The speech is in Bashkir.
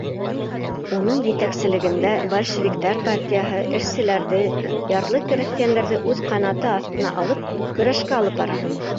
Уның етәкселегендә большевиктар партияһы эшселәрҙе, ярлы крәҫтиәндәрҙе үҙ ҡанаты аҫтына алып, көрәшкә алып бара.